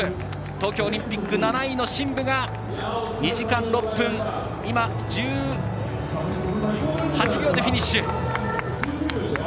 東京オリンピック７位のシンブが２時間６分１８秒でフィニッシュ。